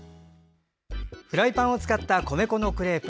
フライパンを使った米粉のクレープ